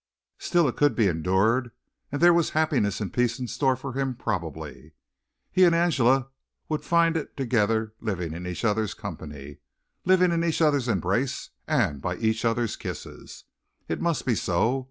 Still it could be endured and there was happiness and peace in store for him probably. He and Angela would find it together living in each other's company, living in each other's embrace and by each other's kisses. It must be so.